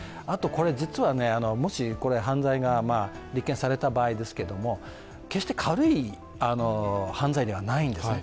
実はもし犯罪が立件された場合ですけれども、決して軽い犯罪ではないんですね。